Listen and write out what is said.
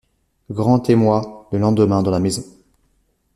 Grand émoi le lendemain dans la maison.